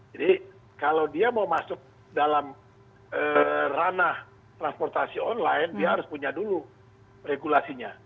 jadi kalau dia mau masuk dalam ranah transportasi online dia harus punya dulu regulasinya